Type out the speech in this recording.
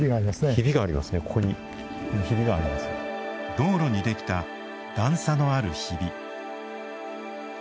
道路にできた段差のある、ひび。